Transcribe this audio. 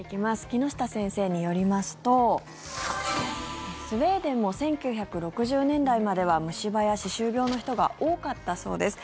木下先生によりますとスウェーデンも１９６０年代までは虫歯や歯周病の人が多かったそうです。